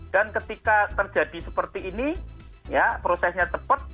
dan ketika terjadi seperti ini ya prosesnya tepat